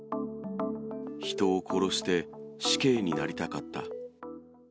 人を殺して死刑になりたかった。